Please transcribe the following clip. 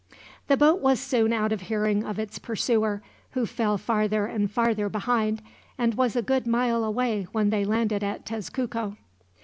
The boat was soon out of hearing of its pursuer, who fell farther and farther behind, and was a good mile away when they landed at Tezcuco.